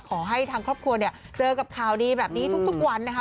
ขอให้ทางครอบครัวเนี่ยเจอกับข่าวดีแบบนี้ทุกวันนะคะ